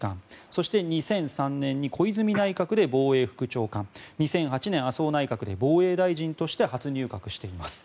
そして２００３年に小泉内閣で防衛副長官２００８年、麻生内閣で防衛大臣として初入閣しています。